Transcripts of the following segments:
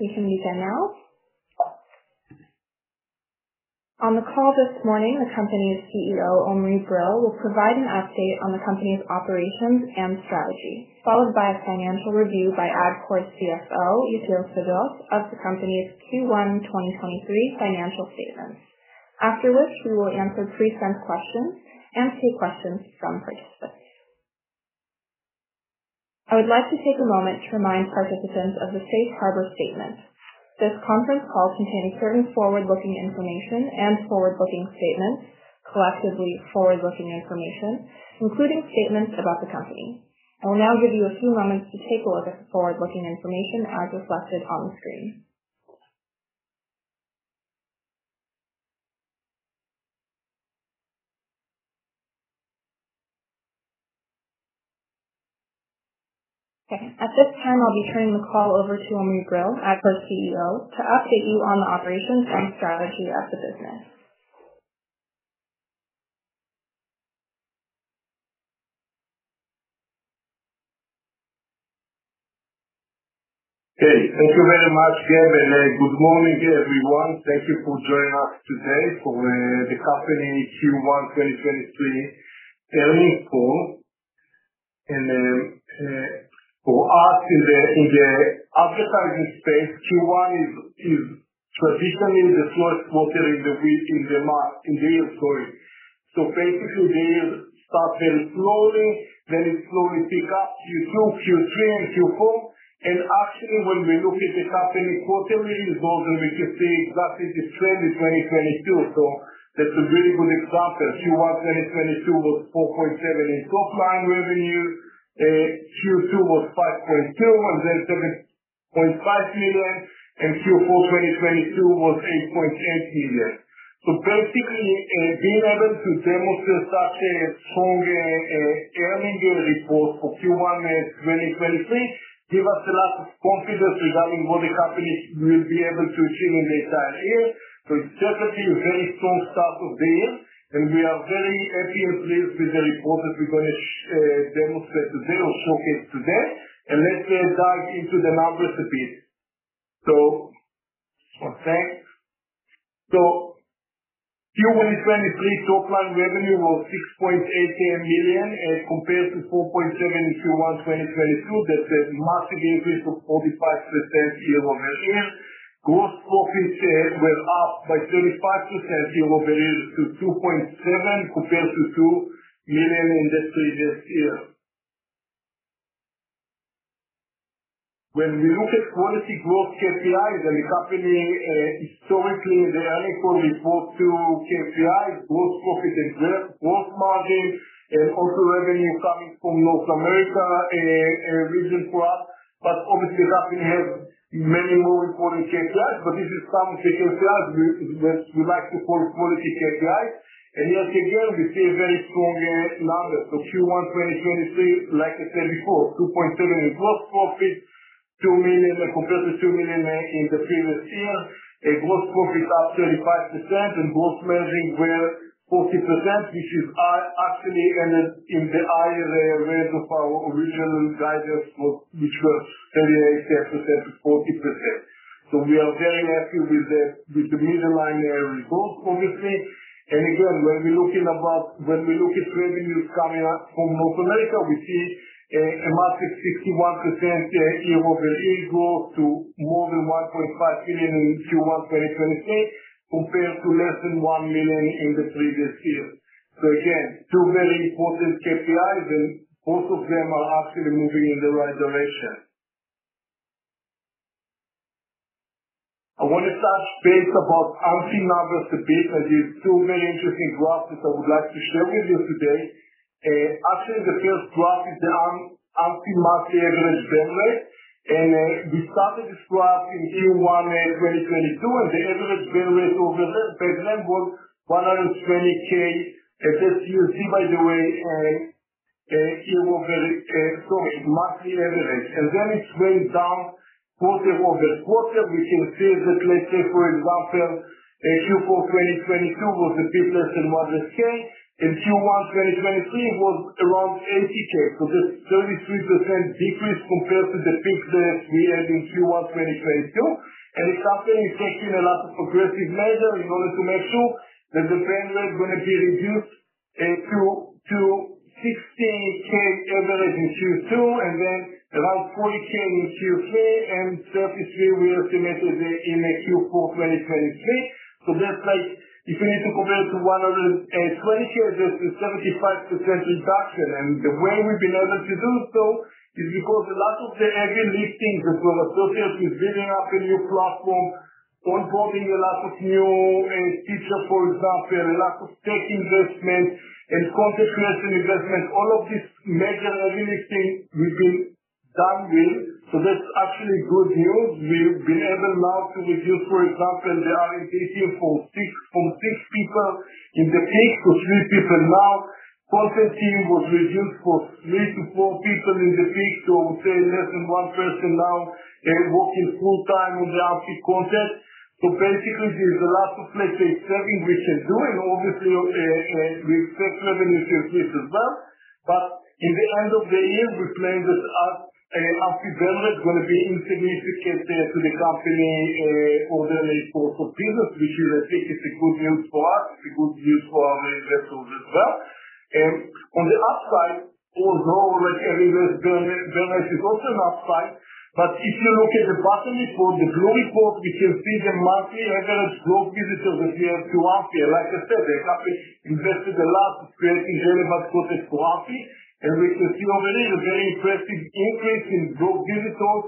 You can begin now. On the call this morning, the company's CEO, Omri Brill, will provide an update on the company's operations and strategy, followed by a financial review by Adcore's CFO, Yatir Sadot, of the company's Q1 2023 financial statements. After which we will answer pre-sent questions and take questions from participants. I would like to take a moment to remind participants of the Safe Harbor statement. This conference call contains certain forward-looking information and forward-looking statements, collectively forward-looking information, including statements about the company. I will now give you a few moments to take a look at the forward-looking information as reflected on the screen. At this time, I'll be turning the call over to Omri Brill, Adcore's CEO, to update you on the operations and strategy of the business. Okay. Thank you very much, Gabe. Good morning, everyone. Thank you for joining us today for the company Q1 2023 earnings call. For us in the, in the advertising space, Q1 is traditionally the slowest quarter in the week, in the month, in the year, sorry. Basically, the year started slowly, then it slowly pick up Q2, Q3, and Q4. Actually, when we look at the company quarterly results, and we can see exactly the trend in 2023. That's a very good example. Q1 2022 was 4.7 million in top line revenue. Q2 was 5.2 million and then 7.5 million, and Q4 2022 was 8.8 million. Basically, being able to demonstrate such a strong earning report for Q1 2023 give us a lot of confidence regarding what the company will be able to achieve in the entire year. It's definitely a very strong start of the year, and we are very happy and pleased with the report that we're gonna demonstrate today or showcase today. Let's dive into the numbers a bit. Okay. Q1 2023 top line revenue of 6.8 million, compared to 4.7 million in Q1 2022. That's a massive increase of 45% year-over-year. Gross profits were up by 35% year-over-year to 2.7 million, compared to 2 million in the previous year. When we look at quality growth KPIs, the company, historically, the annual report to KPIs, gross profit and gross margin, also revenue coming from North America region for us. Obviously Adcore have many more important KPIs, but this is some KPIs we like to call quality KPIs. Here again, we see a very strong numbers for Q1 2023. Like I said before, 2.7 million in gross profit compared to 2 million in the previous year. Gross profit up 35% and gross margin were 40%, which is actually in the higher range of our original guidance was, which was 30%-40%. We are very happy with the bottom line results, obviously. Again, when we're looking about. When we look at revenues coming up from North America, we see a massive 61% year-over-year growth to more than 1.5 million in Q1 2023, compared to less than 1 million in the previous year. Again, two very important KPIs, and both of them are actually moving in the right direction. I wanna touch base about Amphy numbers a bit, there's so many interesting graphs which I would like to share with you today. Actually the first graph is the Amphy monthly average burn rate. We started this graph in Q1 2022, and the average burn rate over that time was 120,000. As you see by the way, year-over-year, sorry, monthly average. It went down quarter-over-quarter. We can see that, let's say for example, Q4 2022 was a bit less than 100,000 and Q1 2023 was around 80,000. That's 33% decrease compared to the peak that we had in Q1 2022. The company is taking a lot of aggressive measure in order to make sure that the burn rate gonna be reduced, to 16,000 average in Q2, and then around 40,000 in Q3, and 33,000 we estimated in Q4 2023. That's like if we need to compare to 120,000 that's a 75% reduction. The way we've been able to do so is because a lot of the heavy lifting that was associated with building up a new platform, onboarding a lot of new teachers, for example, a lot of tech investment and content creation investment, all of these major heavy lifting we've been done with. That's actually good news. We've been able now to reduce, for example, the R&D team from six people in the peak to three people now. Content team was reduced from three to four people in the peak to, say, less than one person now working full time on the Amphy content. Basically, there's a lot of, let's say, saving we can do, and obviously, we expect revenue to increase as well. In the end of the year, we plan that Amphy burn rate gonna be insignificant to the company, orderly, for business, which is, I think, is a good news for us, a good news for our investors as well. On the upside, although like, I mean, there is also an upside, but if you look at the bottom report, the blue report, we can see the monthly average growth visitors that we have to Austria. Like I said, the company invested a lot creating relevant content for Amphy, and we can see already the very impressive increase in growth visitors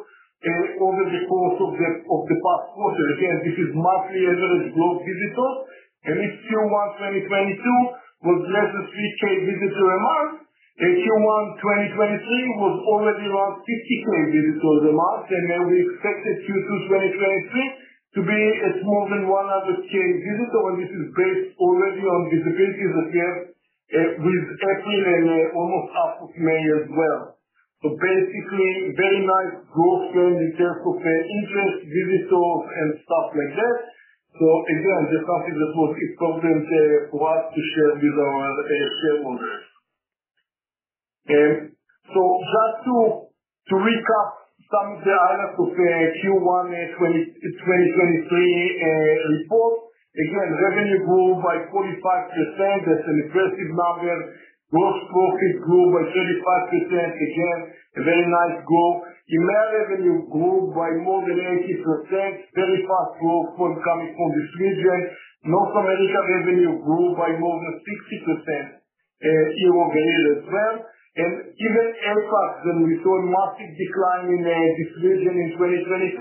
over the course of the past quarter. This is monthly average growth visitors, if Q1 2022 was less than 3,000 visitors a month, then Q1 2023 was already around 50,000 visitors a month, then we expect the Q2 2023 to be at more than 100,000 visitors, and this is based already on visibility that we have with April and almost half of May as well. Basically, very nice growth trend in terms of interest, visitors and stuff like that. Again, that's something that was important for us to share with our shareholders. Just to recap some of the highlights of the Q1 2023 report. Revenue grew by 45%. That's an impressive number. Gross profit grew by 35%. A very nice growth. EMEA revenue grew by more than 80%. Very fast growth coming from this region. North America revenue grew by more than 60% year-over-year as well. Even APAC, when we saw a massive decline in this region in 2022,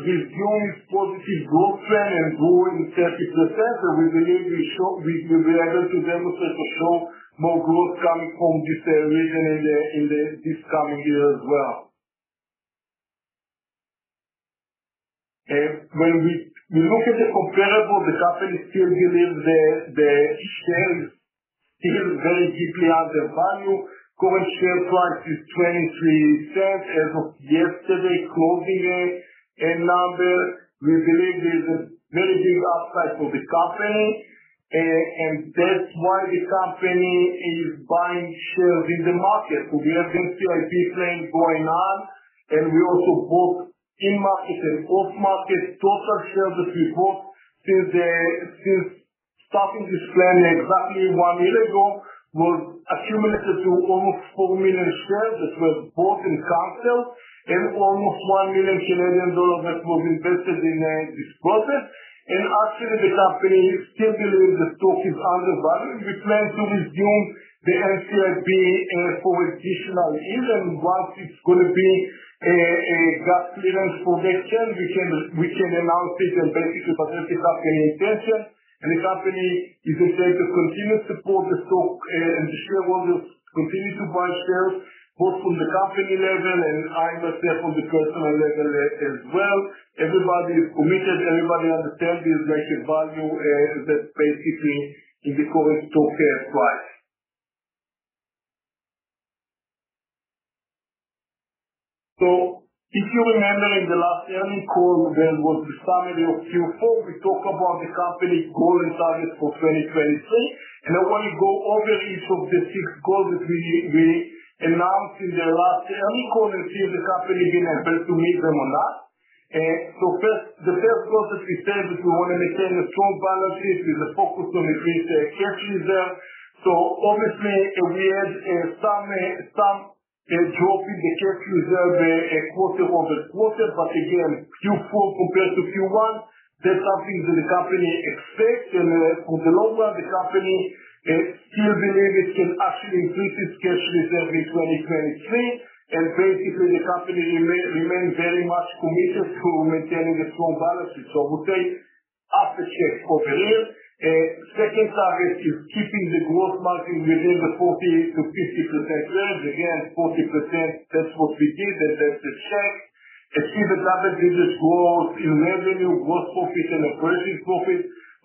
is showing positive growth trend and growing 30%, and we believe we'll be able to demonstrate or show more growth coming from this region in this coming year as well. When we look at the comparable, the company still believes the shares is very deeply undervalued. Current share price is 0.23 as of yesterday closing number. We believe there is a very big upside for the company, and that's why the company is buying shares in the market. We have this NCIB plan going on, and we also bought in-market and off-market. Total shares that we bought since starting this plan exactly one year ago was accumulated to almost 4 million shares that were bought in capital and almost 1 million Canadian dollars that was invested in this process. Actually, the company still believes the stock is undervalued. We plan to resume the NCIB for additional year, and once it's gonna be a GAAP clearance for that share, we can announce it and basically present the company intention. The company is excited to continue to support the stock and the shareholder continue to buy shares, both from the company level and I myself from the personal level as well. Everybody is committed. Everybody understands the intrinsic value that basically is the current stock share price. If you remember in the last earnings call, there was the summary of Q4. We talked about the company goal and targets for 2023, I wanna go over each of the six goals that we announced in the last earnings call and see if the company been able to meet them or not. First, the first goal that we said that we wanna maintain a strong balance sheet with a focus on increased cash reserve. Honestly, we had some drop in the cash reserve quarter-over-quarter, but again, Q4 compared to Q1, that's something that the company expects. For the long run, the company still believes it can actually increase its cash reserve in 2023. Basically, the company remains very much committed to maintaining a strong balance sheet. I would say half a check for the year. Second target is keeping the growth margin within the 40%-50% range. Again, 40%, that's what we did, and that's a check. Achievement of double-digit growth in revenue, gross profit and operating profit.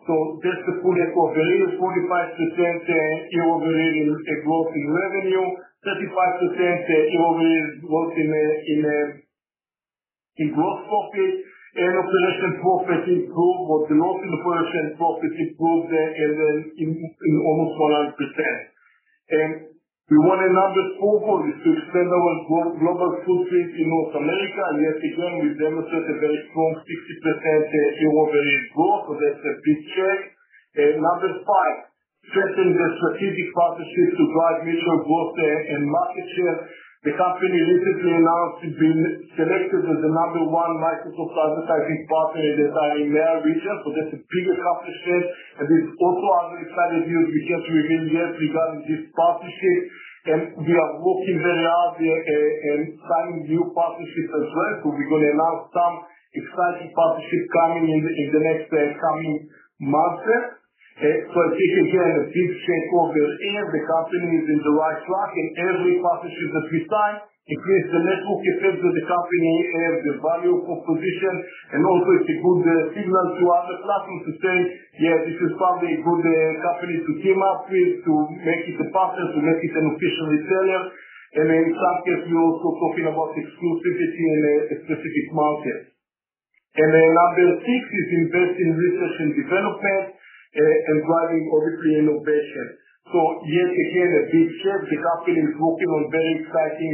That's the full year-over-year. 45% year-over-year growth in revenue, 35% year-over-year growth in gross profit and operating profit improved. What the loss in operating profit improved almost 100%. We want another goal for this, to extend our global footprint in North America. Yes, again, we've demonstrated a very strong 60% year-over-year growth. That's a big check. Number five, strengthen the strategic partnerships to drive mutual growth and market share. The company recently announced it's been selected as the number one Microsoft advertising partner in the EMEA region. That's a big accomplishment. There's also other exciting news we can't reveal yet regarding this partnership, and we are working very hard in signing new partnerships as well. We're gonna announce some exciting partnerships coming in the next coming months. I think again a big check for this year. The company is in the right track, and every partnership that we sign increase the network effect that the company, the value proposition and also it's a good signal to other platforms to say, "Yes, this is probably a good company to team up with, to make it a partner, to make it an official reseller." In some case, we're also talking about exclusivity in a specific market. Number six is invest in research and development and driving obviously innovation. Yet again, a big check. The company is working on very exciting,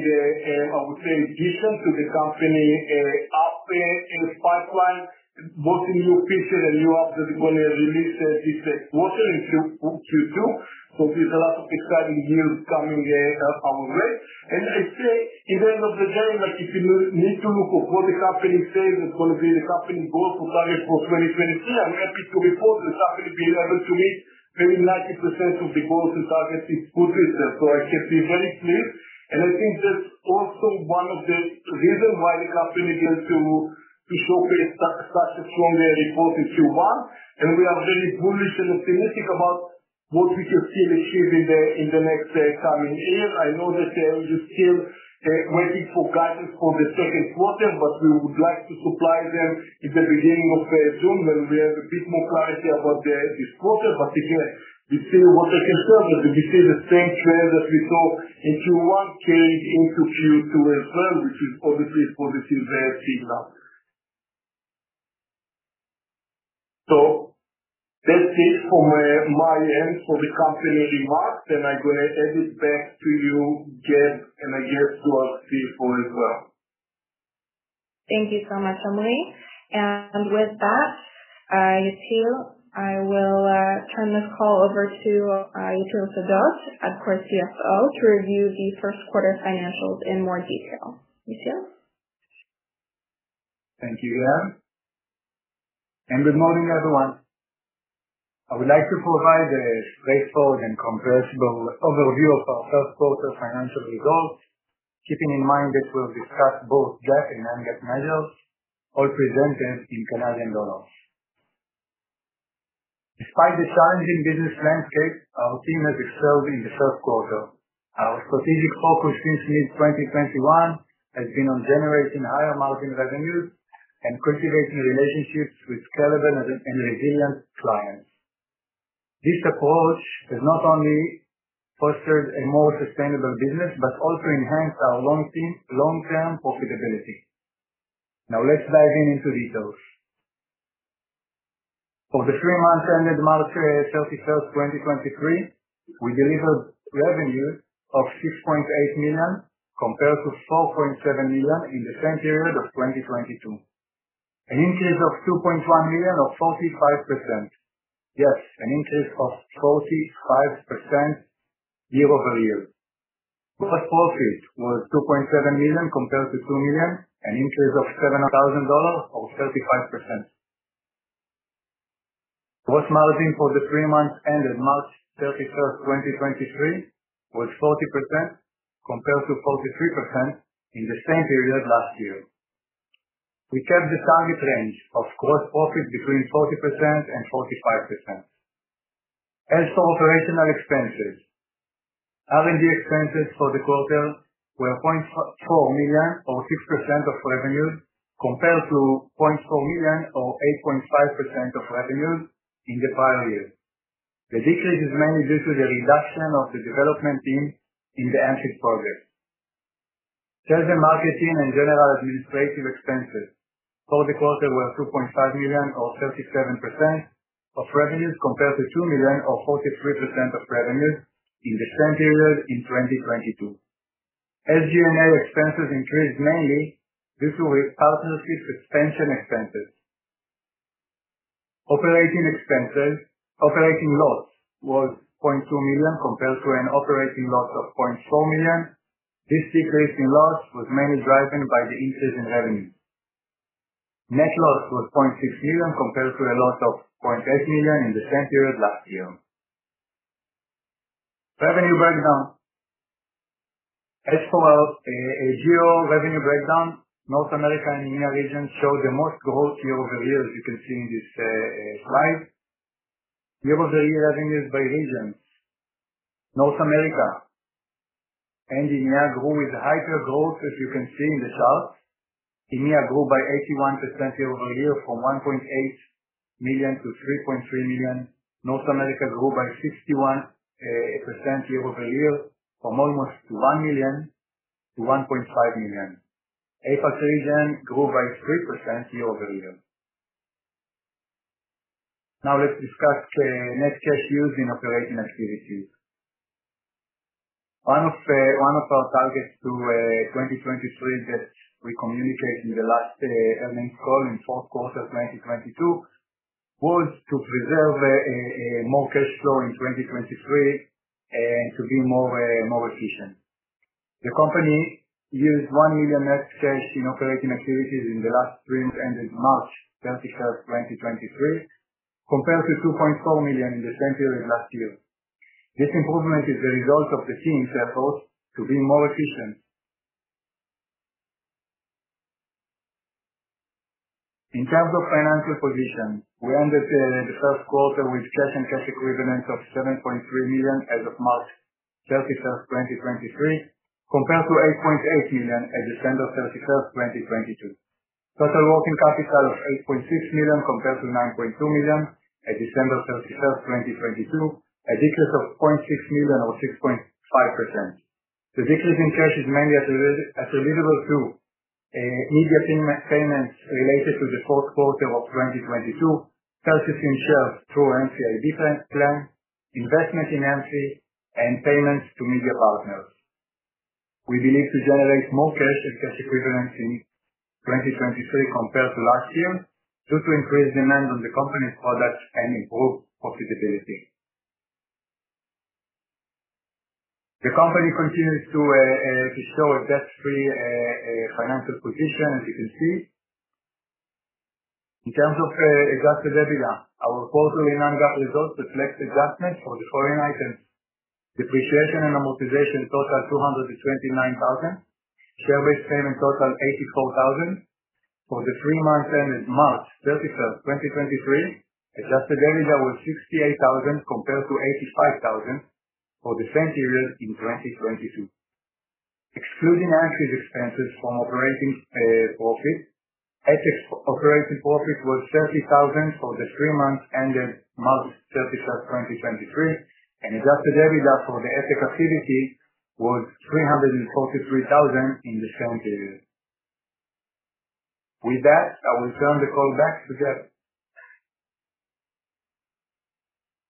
I would say, additions to the company app in the pipeline. Both new features and new apps that we're gonna release this quarter in Q2. There's a lot of exciting news coming our way. I say, in the end of the day, like, if you need to look at what the company says it's gonna be the company goal for guidance for 2023, I'm happy to report the company been able to meet maybe 90% of the goals and targets it put itself, so I can be very pleased. I think that's also one of the reasons why the company was able to showcase such a strong report in Q1, and we are very bullish and optimistic about what we can still achieve in the next coming year. I know that there is still waiting for guidance for the second quarter, We would like to supply them in the beginning of June, when we have a bit more clarity about this quarter. Again, we feel what I can say that we see the same trend that we saw in Q1 carrying into Q2 as well, which is obviously a positive signal. That's it from my end for the company remarks, and I'm gonna hand it back to you, Gab, and I guess to CFO as well. Thank you so much, Omri. And with that, I too, I will, turn this call over to, Yatir Sadot, our CFO, to review the first quarter financials in more detail. Yatir? Thank you, Leah. Good morning, everyone. I would like to provide a straightforward and comprehensive overview of our first quarter financial results, keeping in mind that we'll discuss both GAAP and non-GAAP measures, all presented in CAD. Despite the challenging business landscape our team has observed in the first quarter, our strategic focus since mid-2021 has been on generating higher-margin revenues and cultivating relationships with scalable and resilient clients. This approach has not only fostered a more sustainable business, but also enhanced our long-term profitability. Now let's dive into details. For the three months ended March 31st, 2023, we delivered revenues of 6.8 million compared to 4.7 million in the same period of 2022. An increase of 2.1 million, or 45%. Yes, an increase of 45% year-over-year. Gross profit was 2.7 million compared to 2 million, an increase of 700,000 dollars or 35%. Gross margin for the three months ended March 31, 2023, was 40% compared to 43% in the same period last year. We kept the target range of gross profit between 40% and 45%. For operational expenses, R&D expenses for the quarter were 0.4 million or 6% of revenue, compared to 0.4 million or 8.5% of revenues in the prior year. The decrease is mainly due to the reduction of the development team in the Amphy progress. Sales and marketing and general administrative expenses for the quarter were 2.5 million, or 37% of revenues, compared to 2 million or 43% of revenues in the same period in 2022. SG&A expenses increased mainly due to partnership expansion expenses. Operating expenses. Operating loss was 0.2 million compared to an operating loss of 0.4 million. This decrease in loss was mainly driven by the increase in revenues. Net loss was 0.6 million compared to a loss of 0.8 million in the same period last year. Revenue breakdown. As for our geo revenue breakdown, North America and EMEA region showed the most growth year-over-year, as you can see in this slide. Year-over-year revenues by regions. North America and EMEA grew with hyper-growth, as you can see in the chart. EMEA grew by 81% year-over-year from 1.8 million-3.3 million. North America grew by 61% year-over-year from almost 1 million-1.5 million. APAC region grew by 3% year-over-year. Let's discuss net cash used in operating activities. One of our targets to 2023 that we communicate in the last earnings call in fourth quarter 2022, was to preserve more cash flow in 2023 and to be more efficient. The company used 1 million net cash in operating activities in the last quarter that ended March 31, 2023, compared to 2.4 million in the same period last year. This improvement is the result of the team's efforts to be more efficient. In terms of financial position, we ended the first quarter with cash and cash equivalents of 7.3 million as of March 31, 2023, compared to 8.8 million at December 31, 2022. Total working capital of 8.6 million compared to 9.2 million at December 31, 2022, a decrease of 0.6 million or 6.5%. The decrease in cash is mainly attributable to immediate payments related to the fourth quarter of 2022, purchasing shares through NCIB plan, investment in Amphy, and payments to media partners. We believe we generate more cash and cash equivalents in 2023 compared to last year due to increased demand on the company's products and improved profitability. The company continues to show a debt-free financial position, as you can see. In terms of adjusted EBITDA, our quarterly non-GAAP results reflect adjustment for the foreign items. Depreciation and amortization total 229,000. Share-based payment total 84,000. For the three months ended March 31, 2023, adjusted EBITDA was 68,000 compared to 85,000 for the same period in 2022. Excluding Amphy's expenses from operating profit, AdTech's operating profit was 30,000 for the three months ended March 31st, 2023, and adjusted EBITDA for the AdTech activity was 343,000 in the same period. With that, I will turn the call back to Gab.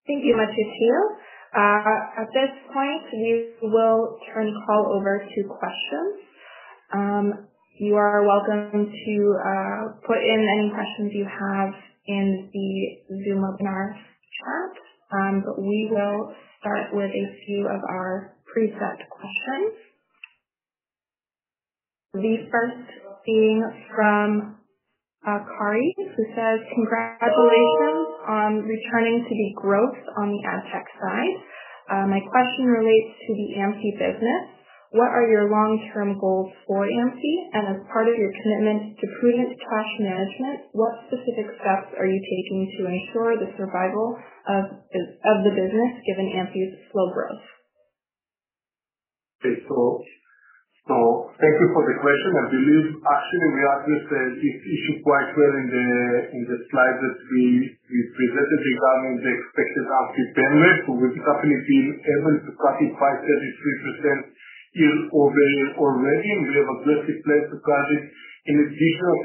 Thank you, Yatir Sadot. At this point, we will turn the call over to questions. You are welcome to put in any questions you have in the Zoom webinar chart. We will start with a few of our pre-set questions. The first being from Kari, who says, congratulations on returning to the growth on the AdTech side. My question relates to the Amphy business. What are your long-term goals for Amphy? As part of your commitment to prudent cash management, what specific steps are you taking to ensure the survival of the business, given Amphy's slow growth? Okay. Thank you for the question. I believe actually we addressed this issue quite well in the slides that we presented regarding the expected Amphy payment. With the company being able to cut it by 33% year-over-year already, and we have addressed we plan to cut it an additional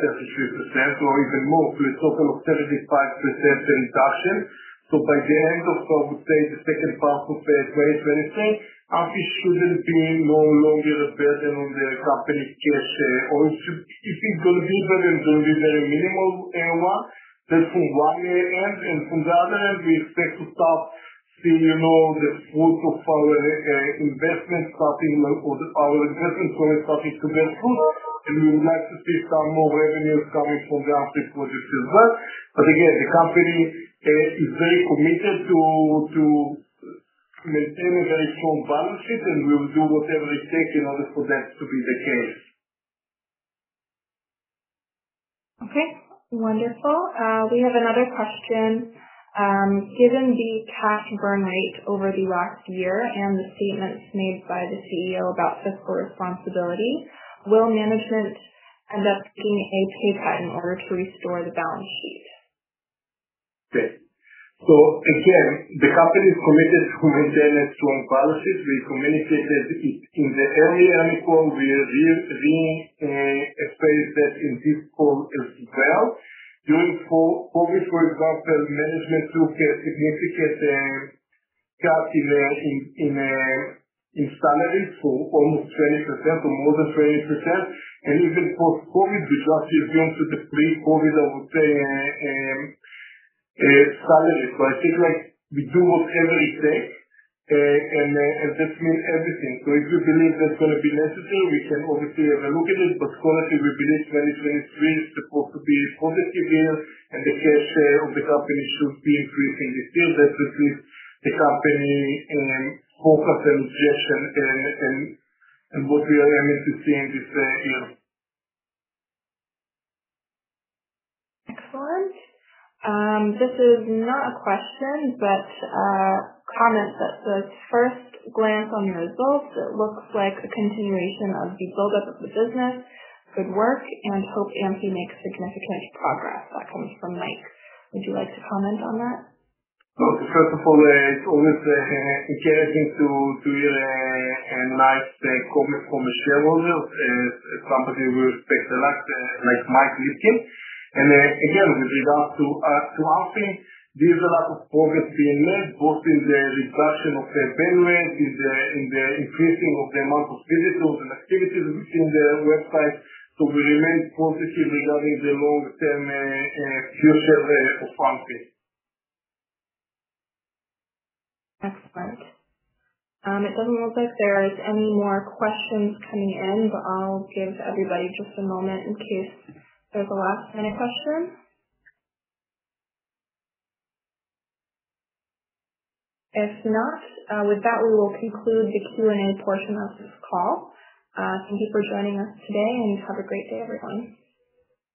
33% or even more, so a total of 75% reduction. By the end of, I would say, the second half of 2023, Amphy shouldn't be no longer a burden on the company's cash, or if it's gonna be a burden, it's gonna be very minimal amount. That's from one end. From the other end, we expect to start seeing more the fruit of our investment starting or our investments starting to bear fruit. We would like to see some more revenues coming from the Amphy project as well. Again, the company is very committed to maintain a very strong balance sheet, and we'll do whatever it takes in order for that to be the case. Okay, wonderful. We have another question. Given the cash burn rate over the last year and the statements made by the CEO about fiscal responsibility, will management end up seeing a pay cut in order to restore the balance sheet? Again, the company is committed to maintain a strong balance sheet. We communicated it in the earlier call. We re-expressed that in this call as well. During COVID, for example, management took a significant cut in salaries for almost 20% or more than 20%. Even post-COVID, we just went through the pre-COVID, I would say, salary. I think, like, we do whatever it takes and that means everything. If we believe that's gonna be necessary, we can obviously have a look at it, but currently we believe 2023 is supposed to be a positive year, and the cash of the company should be increasing this year. That's at least the company focus and direction and what we are aiming to see in this year. Excellent. This is not a question, but a comment that says, first glance on the results, it looks like a continuation of the build-up of the business. Good work, and hope Amphy makes significant progress. That comes from Mike. Would you like to comment on that? First of all, it's always encouraging to hear a nice comment from a shareholder, somebody we respect a lot, like Michael Elkins. Again, with regards to Amphy, there's a lot of progress being made, both in the reduction of the payment, in the increasing of the amount of visitors and activities within the website. We remain positive regarding the long-term future for Amphy. Excellent. It doesn't look like there is any more questions coming in, but I'll give everybody just a moment in case there's a last-minute question. If not, with that, we will conclude the Q&A portion of this call. Thank you for joining us today, and have a great day, everyone.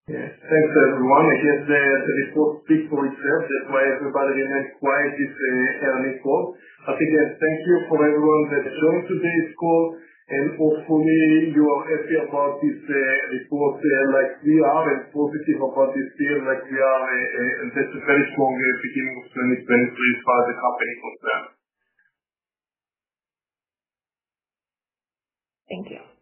Yeah. Thanks, everyone. I guess, the report speaks for itself. That's why everybody remains quiet this call. Thank you for everyone that joined today's call, hope for me you are happy about this report like we are, and positive about this year like we are. That's a very strong beginning of 2023 as far as the company is concerned. Thank you.